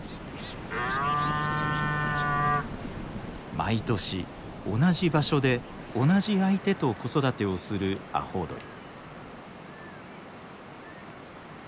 毎年同じ場所で同じ相手と子育てをするアホウドリ。